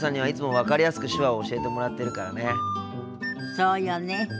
そうよね。